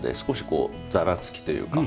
こうざらつきというか。